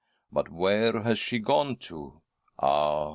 ' But where has she gone to ?' Ah